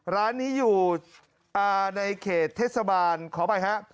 ร้านนี้อยู่ในเขตเทศบาลขออภัยฮะ